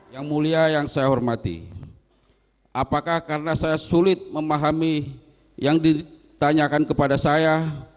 yang mulia yang saya hormati apakah karena saya sulit memahami yang ditanyakan kepada saya